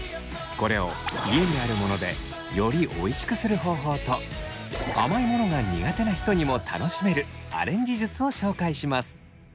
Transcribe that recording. これを家にあるものでよりおいしくする方法と甘いものが苦手な人にも楽しめるアレンジ術を紹介します。